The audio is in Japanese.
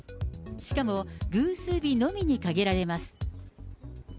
しかも偶数日のみに限られます。